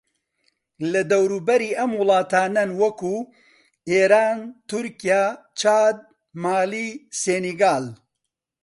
لە دەوروبەری ئەم وڵاتانەن وەکوو: ئێران، تورکیا، چاد، مالی، سینیگال